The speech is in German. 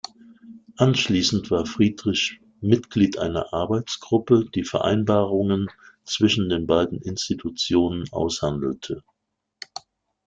Anschließend war Friedrich Mitglied einer Arbeitsgruppe, die Vereinbarungen zwischen den beiden Institutionen aushandelte.